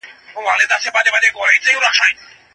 کمره د پېښې ټول اړخونه په ګوته کوي.